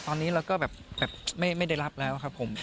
ตอนนี้เราก็แบบไม่ได้รับแล้วครับผม